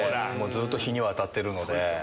ずっと日には当たってるので。